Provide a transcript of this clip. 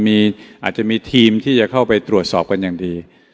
อาจจะมีทีมที่จะเข้าไปตรวจสอบกันอย่างดี